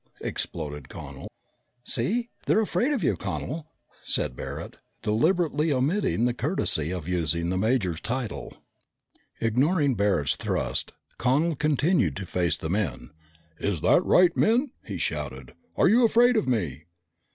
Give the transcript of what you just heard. exploded Connel. "See, they're afraid of you, Connel," said Barret, deliberately omitting the courtesy of using the major's title. Ignoring Barret's thrust, Connel continued to face the men. "Is that right, men?" he shouted. "Are you afraid of me?"